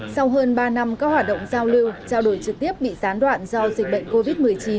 sau hơn ba năm các hoạt động giao lưu trao đổi trực tiếp bị gián đoạn do dịch bệnh covid một mươi chín